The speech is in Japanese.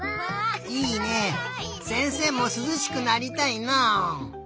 せんせいもすずしくなりたいな。